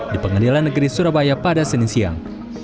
di pengadilan negeri surabaya pada senin siang